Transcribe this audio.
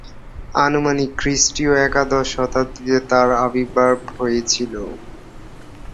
আনুমানিক খ্রিষ্টীয় একাদশ শতাব্দীতে তাঁর আবির্ভাব হয়েছিল।